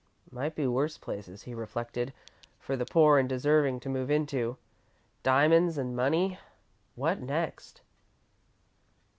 "Might be worse places," he reflected, "for the poor and deserving to move into. Diamonds and money what next?"